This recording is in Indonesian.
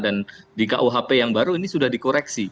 dan di kuhp yang baru ini sudah dikoreksi